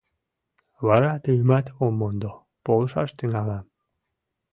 Вара тыйымат ом мондо — полшаш тӱҥалам...